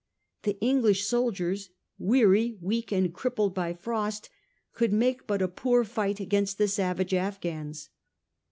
The English soldiers, weary, weak and crippled by frost, could make but a poor fight against the savage Afghans.